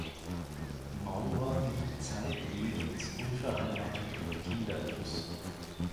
Maurer blieb zeitlebens unverheiratet und kinderlos.